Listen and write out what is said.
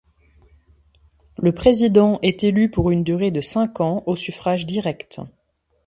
Le président est élu pour une durée de cinq ans au suffrage direct.